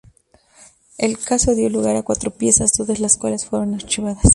El caso dio lugar a cuatro piezas, dos de las cuales fueron archivadas.